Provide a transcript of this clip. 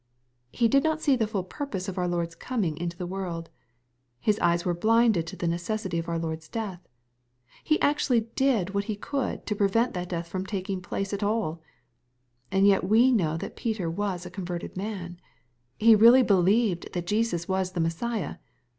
He did not see the full purpose of our Lord's coming into the world. His eyes were blinded to the necessity of our Lord's death. He actually did what he could, to prevent that death taking place at all 1 And yet we tnow that Peter was a converted man. He really be heved that Jesus was the Messiah.